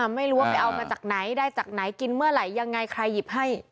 ไม่รู้ว่าไปเอามาจากไหนได้จากไหนกินเมื่อไหร่ยังไงใครหยิบให้